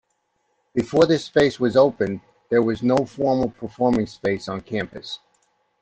Before this space was opened there was no formal performing space on campus.